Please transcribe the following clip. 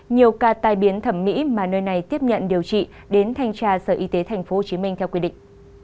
nhiều ca tai biến thẩm mỹ mà nơi này tiếp nhận điều trị đến thanh tra sở y tế tp hcm theo quy định